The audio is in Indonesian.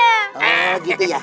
oh gitu ya